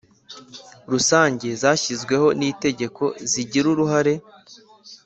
Rusange zashyizweho n itegeko zigira uruhare